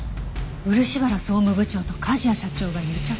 漆原総務部長と梶谷社長が癒着？